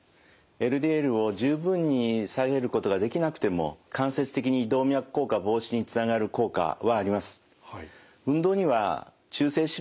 ＬＤＬを十分に下げることができなくても間接的に動脈硬化防止につながる効果はあります。